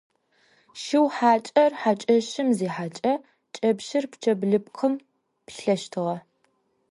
Шыу хьакӏэр хьакӏэщым зихьэкӏэ кӏэпщыр пчъэ блыпкъым пилъэщтыгъэ.